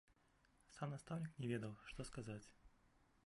Сам настаўнік не ведаў, што сказаць.